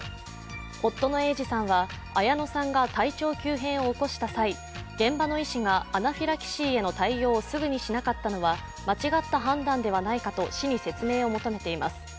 夫の英治さんは、綾乃さんが体調急変を起こした際、現場の医師がアナフィラキシーへの対応をすぐにしなかったのは間違った判断ではないかと市に説明を求めています。